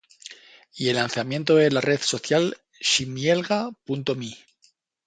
Y el lanzamiento de la red social Ximielga.me